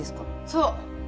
そう。